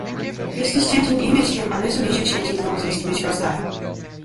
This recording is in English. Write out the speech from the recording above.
With this change in image came another major change in Gonzales's musical style.